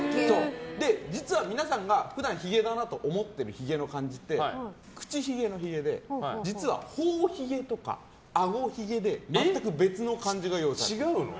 実は皆さんが普段ひげだなと思ってる「ひげ」の漢字って口ひげのひげで頬ひげとかあごひげで、全く別の漢字が用意されているんです。